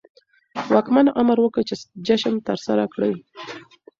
واکمن امر وکړ چې جشن ترسره کړي.